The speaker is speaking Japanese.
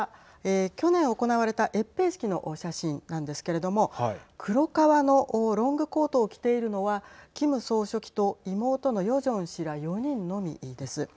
去年、行われた閲兵式の写真なんですけれども黒革のロングコートを着ているのはキム総書記と妹のヨジョン氏ら４人のみです。